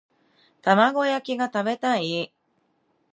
玉子焼きが食べたい